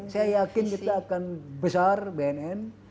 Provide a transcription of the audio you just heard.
saya yakin kita akan besar bnn